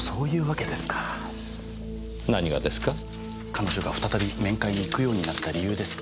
彼女が再び面会に行くようになった理由です。